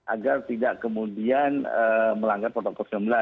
agar tidak kemudian melanggar protokol covid sembilan belas